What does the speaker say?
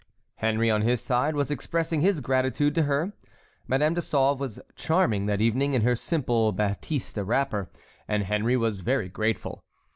Henry on his side was expressing his gratitude to her. Madame de Sauve was charming that evening in her simple batiste wrapper; and Henry was very grateful.